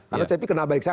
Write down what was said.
karena cp kena baik saya